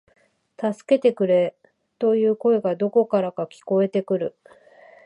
助けてくれ、という声がどこからか聞こえてくる